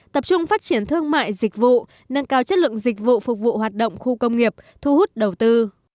tập trung phát triển thương mại dịch vụ nâng cao chất lượng dịch vụ phục vụ hoạt động khu công nghiệp thu hút đầu tư